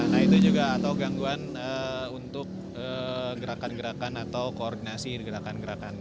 nah itu juga atau gangguan untuk gerakan gerakan atau koordinasi gerakan gerakan